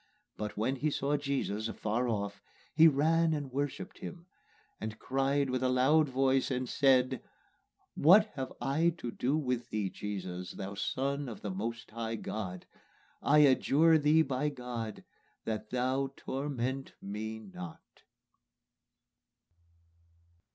But when he saw Jesus afar off, he ran and worshipped him, And cried with a loud voice, and said, What have I to do with Thee, Jesus, Thou Son of the Most High God? I adjure Thee by God, that Thou torment me not."